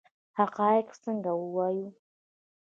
حقایق څنګه ووایو؟